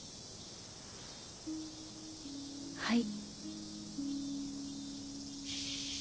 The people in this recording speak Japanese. はい。